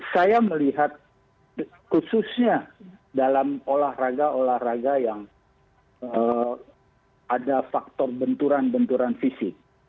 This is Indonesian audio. saya melihat khususnya dalam olahraga olahraga yang ada faktor benturan benturan fisik